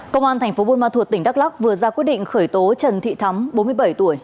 công an thành phố buôn ma thuột tỉnh đắk lắc vừa ra quyết định khởi tố trần thị thắm bốn mươi bảy tuổi